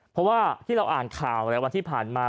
เพราะว่าที่เราอ่านข่าวแล้ววันที่ผ่านมา